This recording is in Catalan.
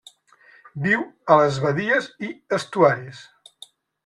Viu a les badies i estuaris.